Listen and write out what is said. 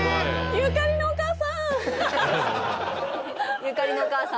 ゆかりのお母さん。